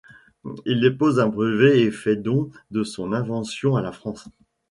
Il dépose un brevet et fait don de son invention à la France.